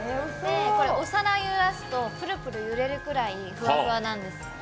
これ、お皿を揺らすとプルプル揺れるぐらいふわふわなんです。